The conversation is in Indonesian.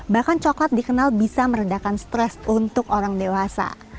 bahkan coklat dikenal bisa meredakan stres untuk orang dewasa